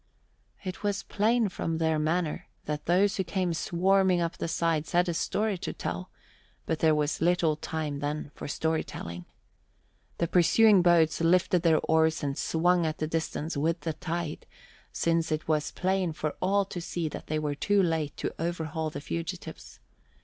It was plain from their manner that those who came swarming up the sides had a story to tell, but there was little time then for story telling. The pursuing boats lifted their oars and swung at a distance with the tide, since it was plain for all to see that they were too late to overhaul the fugitives.